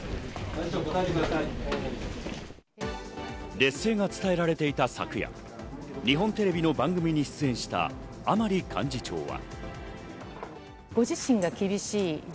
劣勢が伝えられていた昨夜、日本テレビの番組に出演した甘利幹事長は。